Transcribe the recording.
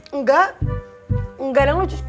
enggak enggak yang lucu